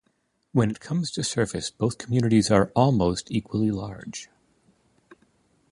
When it comes to surface both communities are almost equally large.